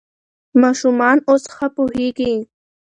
ماشومان اوس ښه پوهېږي.